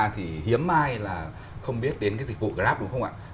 thì hiếm mai là không biết đến cái dịch vụ grab đúng không ạ